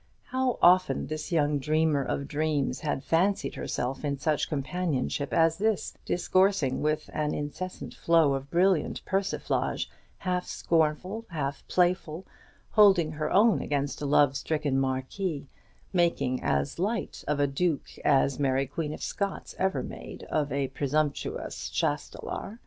How often this young dreamer of dreams had fancied herself in such companionship as this; discoursing with an incessant flow of brilliant persiflage, half scornful, half playful; holding her own against a love stricken marquis; making as light of a duke as Mary Queen of Scots ever made of a presumptuous Chastelar!